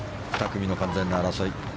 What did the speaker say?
２組の完全な争い。